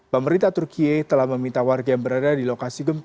pemerintah turkiye telah meminta warga yang berada di lokasi gempa